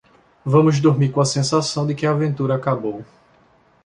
Vamos dormir com a sensação de que a aventura acabou.